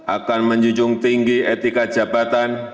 akan menjunjung tinggi etika jabatan